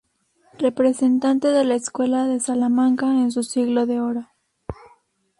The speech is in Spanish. Representante de la escuela de Salamanca en su siglo de oro.